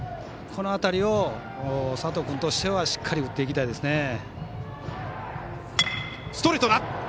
この辺りを佐藤君としてはしっかり打っていきたいですね。